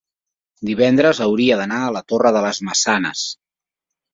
Divendres hauria d'anar a la Torre de les Maçanes.